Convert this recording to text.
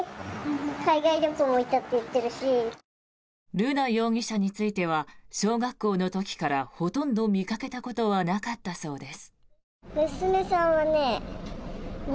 瑠奈容疑者については小学校の時からほとんど見かけたことはなかったそうです。